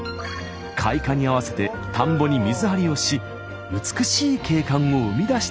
開花に合わせて田んぼに水張りをし美しい景観を生み出しているんです。